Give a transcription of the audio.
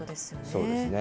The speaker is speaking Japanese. そうですね。